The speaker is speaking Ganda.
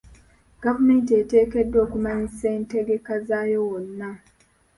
Gavumenti eteekeddwa okumanyisa entegeka zaayo wonna.